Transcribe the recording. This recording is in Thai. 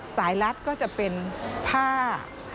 ลัดก็จะเป็นผ้า